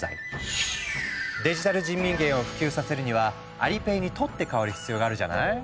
デジタル人民元を普及させるにはアリペイに取って代わる必要があるじゃない？